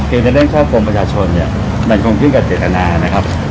เกี่ยวกับเกี่ยวกับช่อปูประชาชนเนี่ยมันคงคิดกับเจตนานะครับ